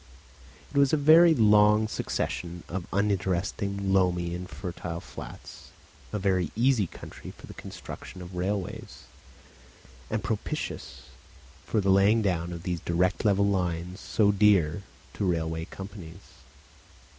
It was a very long succession of uninteresting loamy and fertile flats, a very easy country for the construction of railways, and propitious for the laying down of these direct level lines so dear to railway companies.